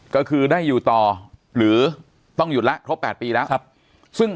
ก็คือได้อยู่ต่อหรือต้องหยุดแล้วครบ๘ปีแล้วซึ่ง